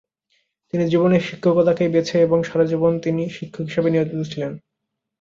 তিনি জীবনে শিক্ষকতাকেই বেছে এবং সারাজীবন তিনি শিক্ষক হিসাবে নিয়োজিত ছিলেন।